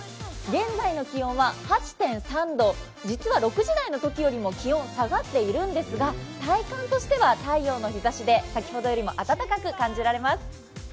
現在の気温は８．３度、実は６時台のときよりも気温下がっているんですが、体感としては太陽の日ざしで先ほどよりも暖かく感じられます。